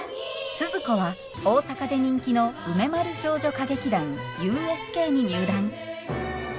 スズ子は大阪で人気の梅丸少女歌劇団ＵＳＫに入団。